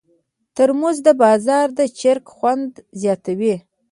ترموز د بازار د چکر خوند زیاتوي.